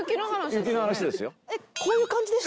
雪の話ですよ。